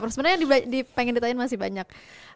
sebenarnya yang dipengen ditanyain masih banyak